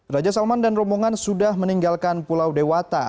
raja salman dan rombongan sudah meninggalkan pulau dewata